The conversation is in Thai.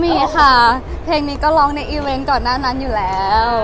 ไม่มีค่ะเพลงนี้ก็ร้องอย่างในบาร์โนมันก่อนหน้านั้นอยู่แล้ว